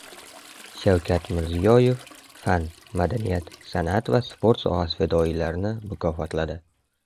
Shavkat Mirziyoyev fan, madaniyat, san’at va sport sohasi fidoyilarini mukofotladi